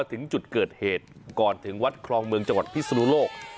ถึงจุดเกิดเหตุก่อนถึงวัดคลองเมืองจังหวัดพิศนุโลก